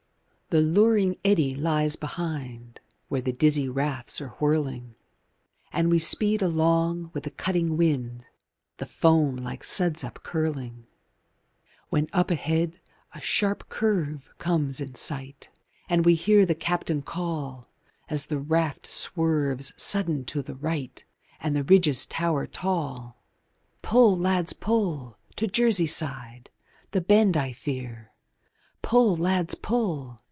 III The luring eddy lies behind Where the dizzy rafts are whirling, And we speed along with the cutting wind, The foam like suds up curling, When ahead a sharp curve comes in sight And we hear the Captain call As the raft swerves sudden to the right And the ridges tower tall: Pull, lads, pull! to Jersey side! The Bend I fear! Pull, lads, pull!